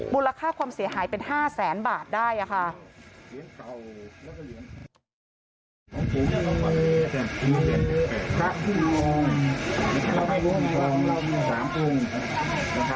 มูลค่าความเสียหายเป็น๕แสนบาทได้ค่ะ